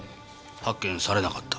発見されなかった。